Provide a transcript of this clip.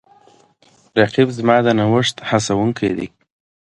رقیب زما د نوښت هڅونکی دی